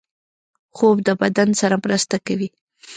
خوب د بدن سره مرسته کوي